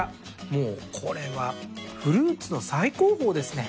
もうこれはフルーツの最高峰ですね。